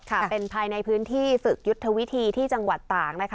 ค่ะเป็นภายในพื้นที่ฝึกยุทธวิธีที่จังหวัดต่างนะคะ